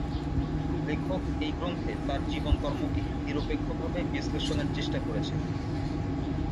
লেখক এই গ্রন্থে তার জীবন কর্মকে নিরপেক্ষভাবে বিশ্লেষণের চেষ্টা করেছেন।